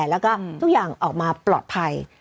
แล้วก็ทุกอย่างออกมาปลอดภัย